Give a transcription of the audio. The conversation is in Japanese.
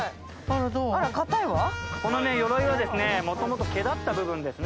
あら、このよろいはもともと毛だった部分ですね。